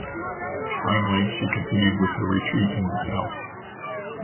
Finally, she continued with her retreat in the south.